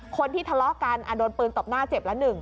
คนที่ทะเลาะกันโดนปืนตบหน้าเจ็บละ๑